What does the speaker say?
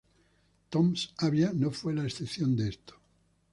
Tomsk Avia no fue la excepción de esto.